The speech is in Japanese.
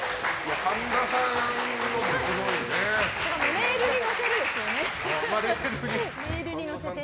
レールに乗せるんですね。